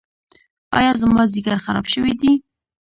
ایا زما ځیګر خراب شوی دی؟